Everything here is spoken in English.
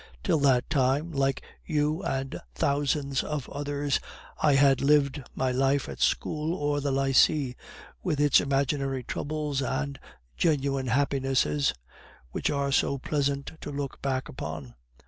Till that time, like you and thousands of others, I had lived my life at school or the lycee, with its imaginary troubles and genuine happinesses, which are so pleasant to look back upon.